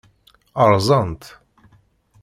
Rẓan-tt.